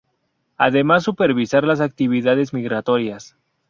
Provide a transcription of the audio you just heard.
Además supervisar las actividades migratorias.